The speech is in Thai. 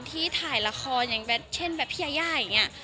ที่ถ่ายละครอย่างเช่นแบบพี่ยายาอย่างนี้